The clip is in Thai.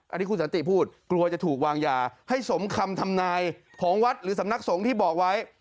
อันนี้คุณสันติพูดกลัวจะถูกวางยาให้สมคำทำนายของวัดหรือสำนักสงฆ์ที่บอกไว้